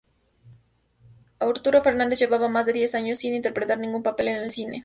Arturo Fernández llevaba más de diez años sin interpretar ningún papel en el cine.